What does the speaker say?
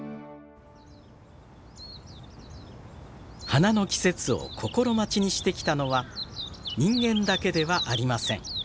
花の季節を心待ちにしてきたのは人間だけではありません。